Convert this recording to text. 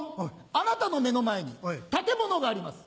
あなたの目の前に建物があります。